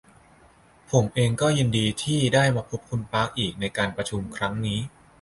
ผมเองก็ยินดีที่ได้มาพบคุณปาร์คอีกครั้งนการประชุมครั้งนี้